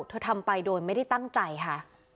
ทำไปโดยไม่ได้ตั้งใจค่ะ